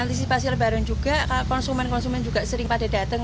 antisipasi lebaran juga konsumen konsumen juga sering pada datang